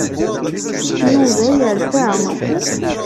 Yuba yerfa.